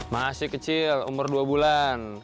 masih kecil umur dua bulan